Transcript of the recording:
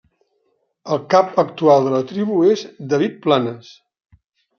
El cap actual de la tribu és David Planes.